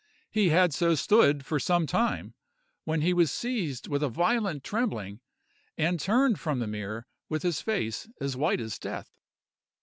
He had so stood for some time, when he was seized with a violent trembling, and turned from the mirror with his face as white as death.